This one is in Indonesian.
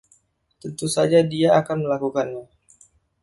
Tentu saja dia akan melakukannya.